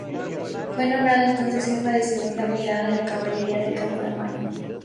Fue nombrado entonces Jefe de la Segunda Brigada de Caballería de Campo de Mayo.